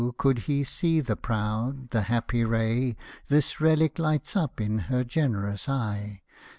could he see the proud, the happy ray. This rehc lights up in her generous eye.